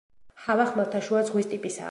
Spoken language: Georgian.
ჰავა ხმელთაშუა ზღვის ტიპისაა.